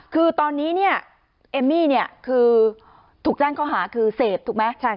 คือตอนนี้เนี่ยเอมมี่เนี่ยคือถูกแจ้งข้อหาคือเสพถูกไหม